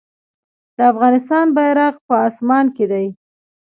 د افغانستان بیرغ په اسمان کې دی